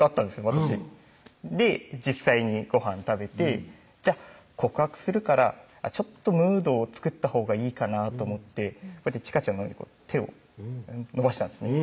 私で実際にごはん食べてじゃあ告白するからちょっとムードを作ったほうがいいかなと思ってちかちゃんのほうに手を伸ばしたんですね